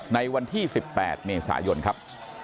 ในวันที่๑๘เมษายนครับ